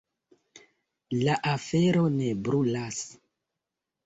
La afero ne brulas.